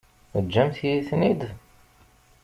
Teǧǧamt-iyi-ten-id?